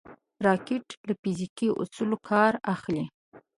راکټ له فزیکي اصولو کار اخلي